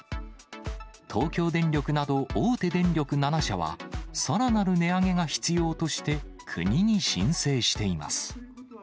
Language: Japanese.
東京電力など大手電力７社は、さらなる値上げが必要として、国に申請しています。